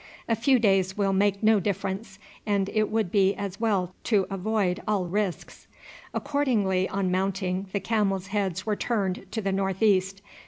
"A few days will make no difference, and it would be as well to avoid all risks." Accordingly, on mounting, the camels' heads were turned to the north east.